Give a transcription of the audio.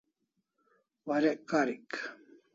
Warek karik